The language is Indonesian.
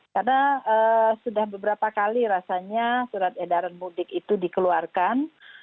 karena sudah beberapa kali rasanya surat edarat mudik itu dikeluarkan